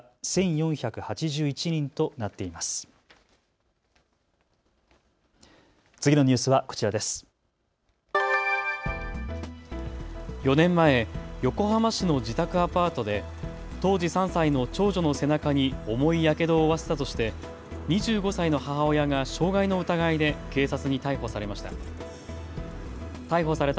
４年前、横浜市の自宅アパートで当時３歳の長女の背中に重いやけどを負わせたとして２５歳の母親が傷害の疑いで警察に逮捕されました。